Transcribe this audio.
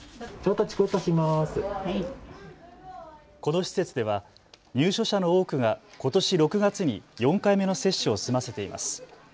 この施設では入所者の多くがことし６月に４回目の接種を済ませています。